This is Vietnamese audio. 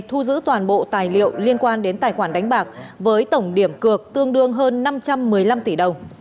thu giữ toàn bộ tài liệu liên quan đến tài khoản đánh bạc với tổng điểm cược tương đương hơn năm trăm một mươi năm tỷ đồng